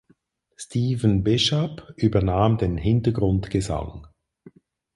Stephen Bishop übernahm den Hintergrundgesang.